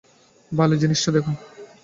বালের জিনিসটা দেখ।